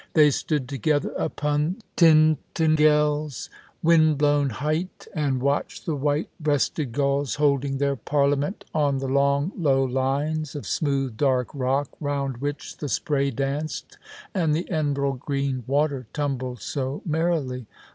They stood together upon Tintagel's wind blown height, and watched the white breasted gulls holding their parliament on the long low lines of smooth dark rock round which the spray danced and the emerald green water tumbled so merrily.